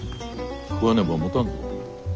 食わねばもたぬぞ。